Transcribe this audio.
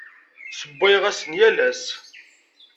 Ssewwayeɣ-asen yal ass.